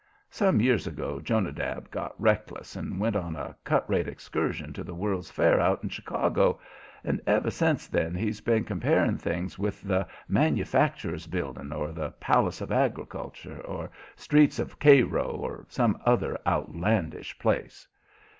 Some years ago Jonadab got reckless and went on a cut rate excursion to the World's Fair out in Chicago, and ever sence then he's been comparing things with the "Manufacturers' Building" or the "Palace of Agriculture" or "Streets of Cairo," or some other outlandish place.